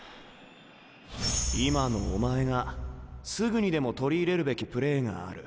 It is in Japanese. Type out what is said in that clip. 今のお前がすぐにでも取り入れるべきプレーがある。